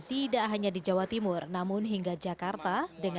tidak hanya di jawa timur namun hingga jakarta